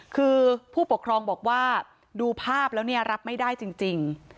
คือผู้ปกครองบอกว่าดูภาพแล้วเนี่ยรับไม่ได้จริง